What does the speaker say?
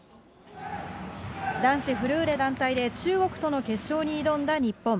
男子フルーレ団体で、中国との決勝に挑んだ日本。